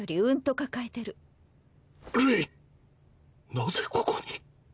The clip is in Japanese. なぜここに。